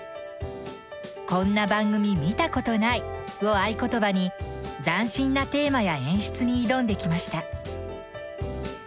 「こんな番組見たことない！」を合言葉に斬新なテーマや演出に挑んできました。